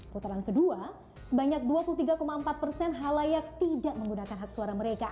putaran kedua sebanyak dua puluh tiga empat persen halayak tidak menggunakan hak suara mereka